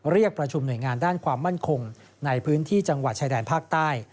เรียกประชุมหน่วยงานด้านความมั่นคงในพื้นที่จังหวัดชายแดนภาคใต้